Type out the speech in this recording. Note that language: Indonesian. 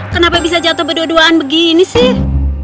kenapa bisa jatuh berduaan begini sih